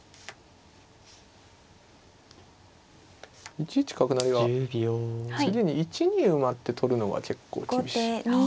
１一角成は次に１二馬って取るのが結構厳しいですね。